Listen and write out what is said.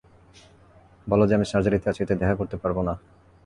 বল যে, আমি সার্জারিতে আছি, তাই দেখা করতে পারব না।